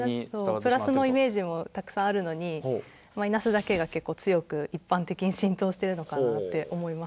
プラスのイメージもたくさんあるのにマイナスだけがけっこう強くいっぱんてきにしんとうしてるのかなって思います。